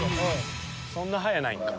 ［そんな早ないんか］